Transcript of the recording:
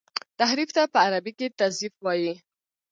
تحريف ته په عربي کي تزييف وايي.